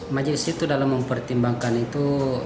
majelis itu dalam mempertimbangkan itu